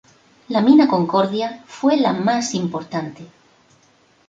La Mina Concordia fue la más importante.